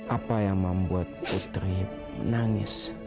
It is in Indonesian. apa yang membuat putri menangis